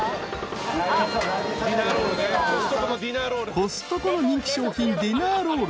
［コストコの人気商品ディナーロール